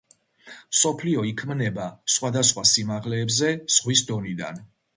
მსოფლიო იქმნება სხვადასხვა სიმაღლეებზე ზღვის დონიდან.